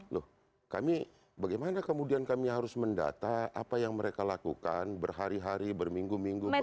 loh kami bagaimana kemudian kami harus mendata apa yang mereka lakukan berhari hari berminggu minggu